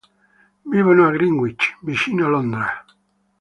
Vivono a Greenwich, vicino Londra.